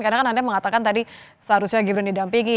karena kan anda mengatakan tadi seharusnya gibran didampingi